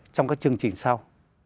trong các chương trình sau